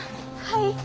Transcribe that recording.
はい。